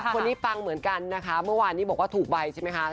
ปังเหมือนกันนะคะเมื่อวานนี้บอกว่าถูกใบใช่ไหมคะ